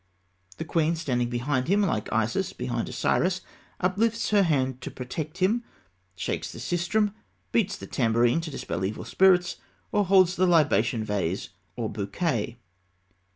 The queen, standing behind him like Isis behind Osiris, uplifts her hand to protect him, shakes the sistrum, beats the tambourine to dispel evil spirits, or holds the libation vase or bouquet.